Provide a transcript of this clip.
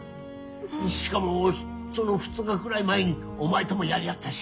しかもその２日くらい前にお前ともやり合ったし。